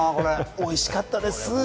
おいしかったです。